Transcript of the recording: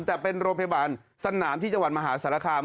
แต่เป็นโรงพยาบาลสนามที่จังหวัดมหาสารคาม